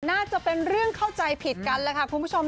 น่าจะเป็นเรื่องเข้าใจผิดกันแหละค่ะคุณผู้ชม